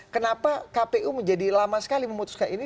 kenapa kpu menjadi lama sekali memutuskan ini